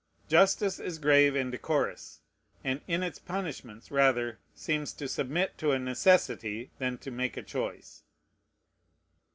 Justice is grave and decorous, and in its punishments rather seems to submit to a necessity than to make a choice.